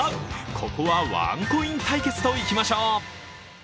ここはワンコイン対決といきましょう。